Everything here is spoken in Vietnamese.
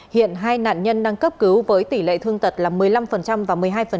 hiện hai nạn nhân đang cấp cứu với tỷ lệ thương tật là một mươi năm và một mươi hai